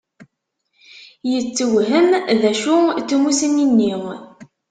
Yettewhem d acu n tmussni-nni.